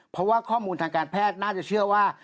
เพราะว่าข้อมูลทางการแพทย์น่าจะเชื่อว่า